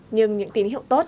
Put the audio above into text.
nhưng những tín hiệu tốt